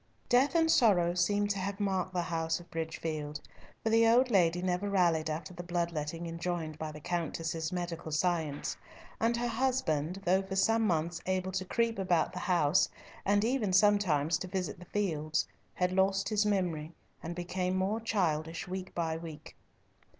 Death and sorrow seemed to have marked the house of Bridgefield, for the old lady never rallied after the blood letting enjoined by the Countess's medical science, and her husband, though for some months able to creep about the house, and even sometimes to visit the fields, had lost his memory, and became more childish week by week.